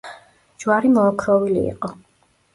ჯვარი მოოქროვილი იყო.